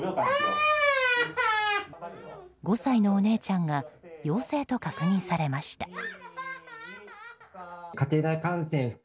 ５歳のお姉ちゃんが陽性と確認されました。